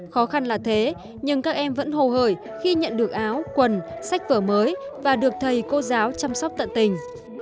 khó khăn là thế nhưng các em vẫn hồ hời khi nhận được áo quần sách vở mới và được thầy cô giáo chăm sóc tận tình